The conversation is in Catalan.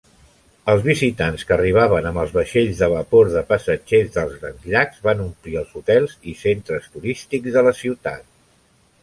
Els visitants que arribaven amb els vaixells de vapor de passatgers dels grans llacs van omplir els hotels i centres turístics de la ciutat.